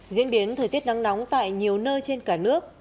diễn biến thời tiết nắng nóng tại nhiều nơi trên cả nước